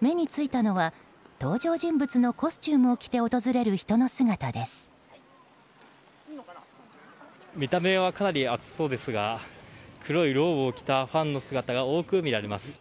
目についたのは登場人物のコスチュームを着て見た目はかなり暑そうですが黒いローブを着たファンの姿が多く見られます。